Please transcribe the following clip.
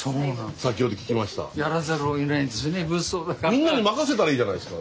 みんなに任せたらいいじゃないですか。